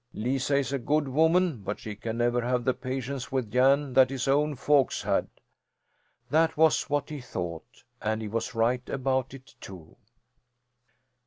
Lisa is a good woman, but she can never have the patience with Jan that his own folks had." That was what he thought. And he was right about it, too!